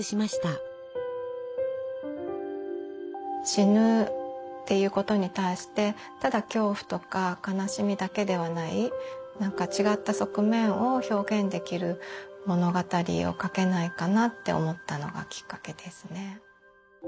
死ぬっていうことに対してただ恐怖とか悲しみだけではない違った側面を表現できる物語を書けないかなって思ったのがきっかけですね。